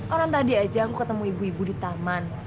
orang tadi aja aku ketemu ibu ibu di taman